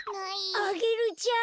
アゲルちゃん！